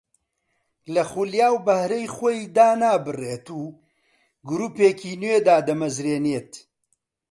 لە خولیا و بەهرەی خۆی دانابڕێت و گرووپێکی نوێ دادەمەژرێنێت